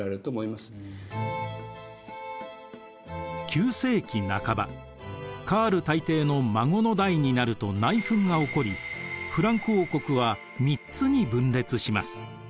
９世紀半ばカール大帝の孫の代になると内紛が起こりフランク王国は３つに分裂します。